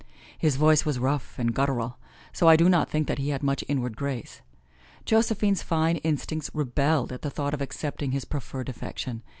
His voice was rough and guttural, so I do not think he had much inward grace. Josephine's fine instincts rebelled at thought of accepting his proffered affection.